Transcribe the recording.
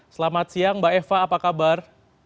selamat siang mbak eva apa kabar